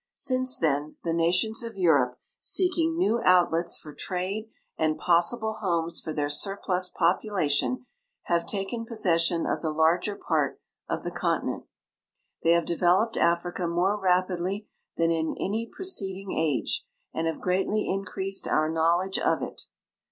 Since then the nations of Europe, seeking new outlets for trade and possible homes for their surplus population, have taken possession of the larger part of the continent. They have developed Africa more rapidly than in an}'' preceding age, and have greatly increased our knowledge of it.